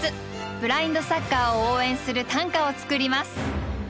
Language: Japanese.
ブラインドサッカーを応援する短歌を作ります。